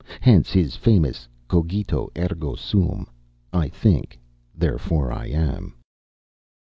Hence his famous Cogito ergo Sum: I think, therefore I am."